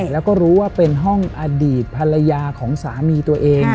แล้วก็รู้ว่าเป็นห้องอดีตภรรยาของสามีตัวเอง